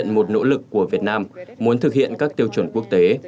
một nỗ lực của việt nam muốn thực hiện các tiêu chuẩn quốc tế